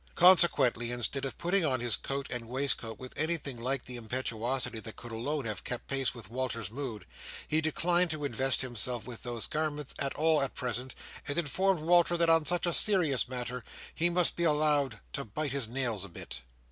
Consequently, instead of putting on his coat and waistcoat with anything like the impetuosity that could alone have kept pace with Walter's mood, he declined to invest himself with those garments at all at present; and informed Walter that on such a serious matter, he must be allowed to "bite his nails a bit".